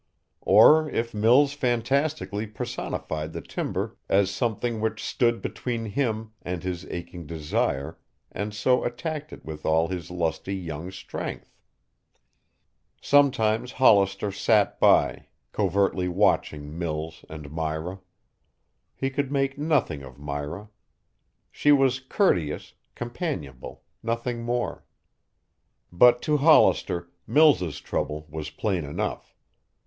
Or if Mills fantastically personified the timber as something which stood between him and his aching desire and so attacked it with all his lusty young strength. Sometimes Hollister sat by, covertly watching Mills and Myra. He could make nothing of Myra. She was courteous, companionable, nothing more. But to Hollister Mills' trouble was plain enough.